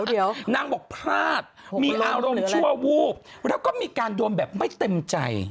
เดี๋ยวนางบอกพลาดมีอารมณ์ชั่ววูบแล้วก็มีการโดนแบบไม่เต็มใจ